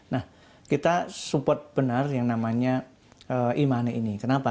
nah kita support benar yang namanya e money ini kenapa